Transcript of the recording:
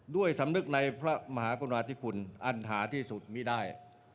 ด้วยสำนึกในพระมหากรุณาธิคุณอันหาที่สุดมีได้